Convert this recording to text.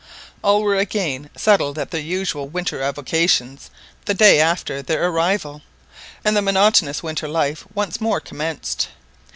All were again settled at their usual winter avocations the day after their arrival, and the monotonous winter life once more commenced.